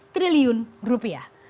tiga triliun rupiah